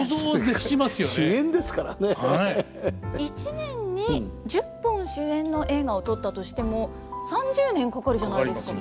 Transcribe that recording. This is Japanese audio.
１年に１０本主演の映画を撮ったとしても３０年かかるじゃないですか。